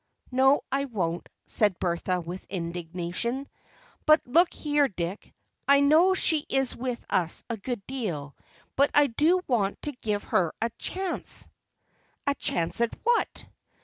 "No, I won't," said Bertha with indignation. "But look here, Dick! I know she is with us a good deal, but I do want to give her a chance." "A chance of what?"